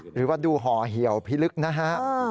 หรือว่าดูห่อเหี่ยวพิลึกนะฮะ